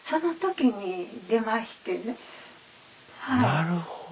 なるほど。